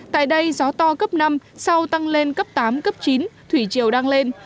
tại đây gió to cấp năm sau tăng lên cấp tám cấp chín thủy chiều đang lên